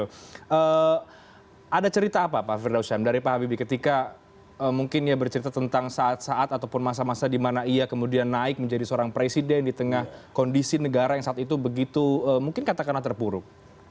oke ada cerita apa pak firdausyam dari pak habibie ketika mungkin dia bercerita tentang saat saat ataupun masa masa di mana ia kemudian naik menjadi seorang presiden di tengah kondisi negara yang saat itu begitu mungkin katakanlah terpuruk